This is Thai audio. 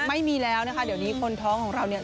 ไม่มีแล้วนะคะเดี๋ยวนี้คนท้องของเราเนี่ย